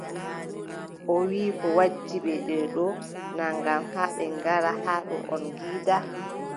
O wiʼi kadi koo waddi ɓe ɗo, naa ngam ɓe ngara haa ɗo on ngiida.